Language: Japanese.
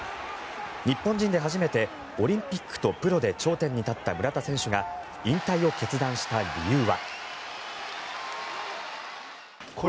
日本人で初めてオリンピックとプロで頂点に立った村田選手が引退を決断した理由は。